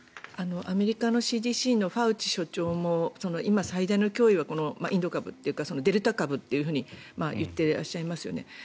アメリカのＣＤＣのファウチ所長も今、最大の脅威はインド株というかデルタ株と言っていらっしゃいますよね。